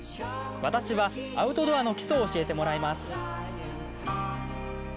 私はアウトドアの基礎を教えてもらいます